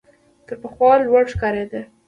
تر پخوا لوړ ښکارېده .